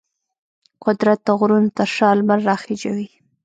قدرت د غرونو تر شا لمر راخیژوي.